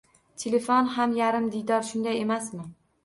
Telefon xam yarim diydor, shunday emasmi?